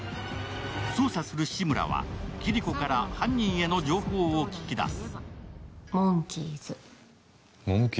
捜査する志村はキリコから犯人の情報を聞き出す。